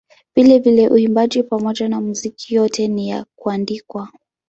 Vilevile uimbaji pamoja na muziki yote ni ya kuandikwa.